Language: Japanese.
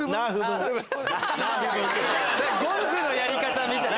ゴルフのやり方みたいな。